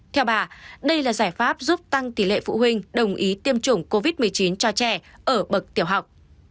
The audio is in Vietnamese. theo bà đây là giải pháp giúp tăng tỷ lệ phụ huynh đồng ý tiêm chủng covid một mươi chín cho trẻ ở bậc tiểu học